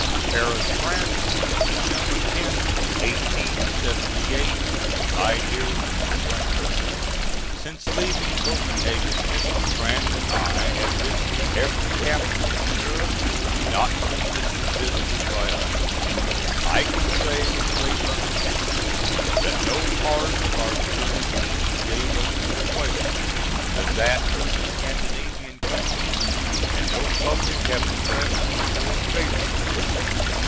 Paris, France. Dec. 10th, '78. MY DEAR MR. CRAMER: Since leaving Copenhagen Mrs. Grant and I have visited every capital in Europe not previously visited by us. I can say with great earnestness that no part of our journeyings gave us more pleasure than that through the Scandinavian countries, and no public have impressed me more favorably.